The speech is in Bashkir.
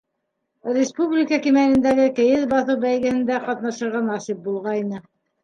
Республика кимәлендәге кейеҙ баҫыу бәйгеһендә ҡатнашырға насип булғайны.